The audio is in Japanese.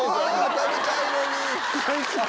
食べたいのに！